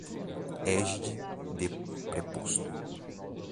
égide do preposto